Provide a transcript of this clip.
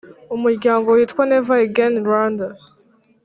umuryango witwa Never Again Rwanda